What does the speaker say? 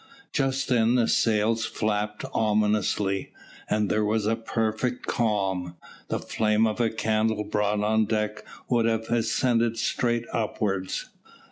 Just then the sails flapped ominously, and there was a perfect calm. The flame of a candle brought on deck would have ascended straight upwards.